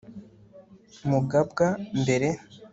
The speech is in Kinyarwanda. mugabwa-mbere